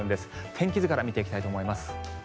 天気図から見ていきたいと思います。